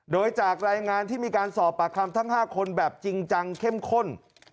โดยจากรายงานที่มีการสอบปากคำทั้ง๕คนแบบจริงจังเข้มข้น